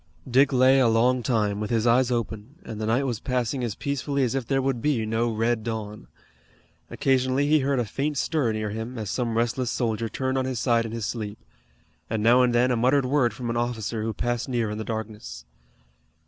Dick lay a long time, with his eyes open, and the night was passing as peacefully as if there would be no red dawn. Occasionally he heard a faint stir near him, as some restless soldier turned on his side in his sleep, and now and then a muttered word from an officer who passed near in the darkness.